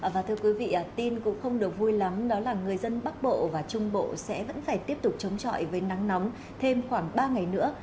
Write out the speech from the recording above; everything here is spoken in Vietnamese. và thưa quý vị tin cũng không được vui lắm đó là người dân bắc bộ và trung bộ sẽ vẫn phải tiếp tục chống trọi với nắng nóng thêm khoảng ba ngày nữa